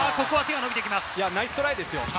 ナイストライですよ。